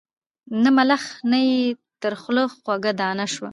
نه ملخ نه یې تر خوله خوږه دانه سوه